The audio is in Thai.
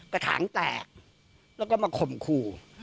กระถางแตกแล้วก็มาข่มขู่